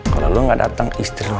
kalau lo gak datang istri